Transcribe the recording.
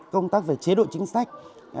công tác về chế độ chính sách